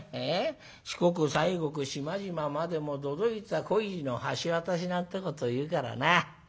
『四国西国島々までも都々逸は恋路の橋渡し』なんてこというからな。